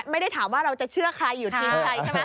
ไม่ได้ถามว่าเราจะเชื่อใครอยู่ทีมใครใช่ไหม